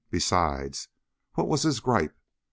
Besides, what was his gripe?